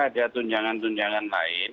ada tunjangan tunjangan lain